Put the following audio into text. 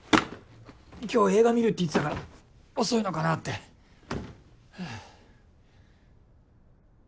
今日映画観るって言ってたから遅いのかなってはぁ。